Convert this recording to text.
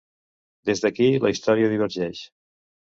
Des d'aquí, la història divergeix.